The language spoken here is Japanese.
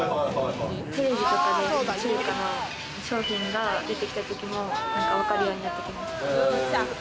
テレビとかで中華の商品が出てきたときも分かるようになった。